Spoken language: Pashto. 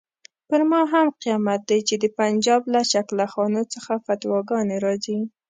پر ما هم قیامت دی چې د پنجاب له چکله خانو څخه فتواګانې راځي.